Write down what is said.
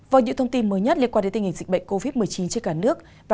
với những thông tin mới nhất liên quan đến tình hình dịch bệnh covid một mươi chín trên cả nước